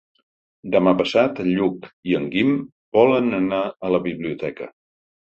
Demà passat en Lluc i en Guim volen anar a la biblioteca.